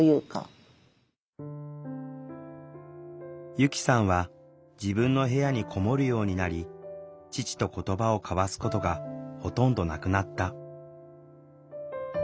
由希さんは自分の部屋に籠もるようになり父と言葉を交わすことがほとんどなくなった。